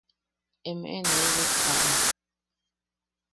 Emeʼe nee bittaʼa.